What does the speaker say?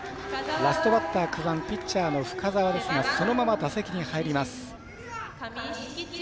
ラストバッター９番ピッチャーの深沢ですがそのまま打席に入ります。